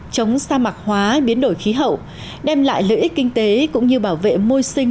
chống sa mạc hóa biến đổi khí hậu đem lại lợi ích kinh tế cũng như bảo vệ môi sinh